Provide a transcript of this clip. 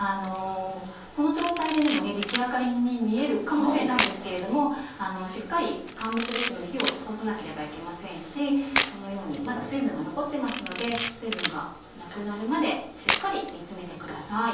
この状態で出来上がりに見えるかもしれないんですけどしっかり乾物ですので火を通さなければいけませんしこのようにまだ水分が残ってますので水分がなくなるまでしっかり煮詰めてください。